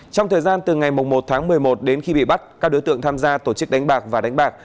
trong thời gian từ ngày một tháng một mươi một đến khi bị bắt các đối tượng tham gia tổ chức đánh bạc và đánh bạc